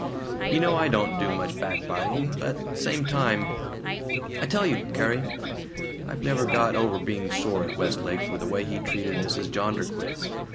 You know I don't do much back biting, but same time I'll tell you, Carrrie: I've never got over being sore at Westlake for the way he treated Mrs. Jonderquist.